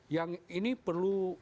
yang ini perlu